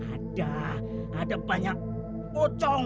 ada ada banyak pocong